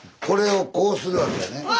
これをこうするわけやね。